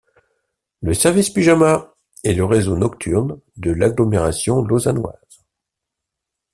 Le Service Pyjama est le réseau nocturne de l'agglomération lausannoise.